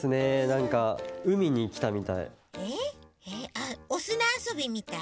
あっおすなあそびみたい？